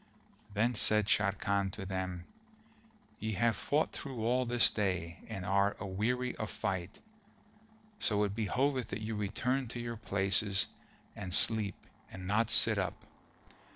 Then said Sharrkan to them, "Ye have fought through all this day and are aweary of fight; so it behoveth that you return to your places and sleep and not sit up."